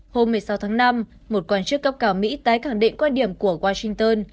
hôm một mươi sáu tháng năm một quan chức cấp cao mỹ tái khẳng định quan điểm của washington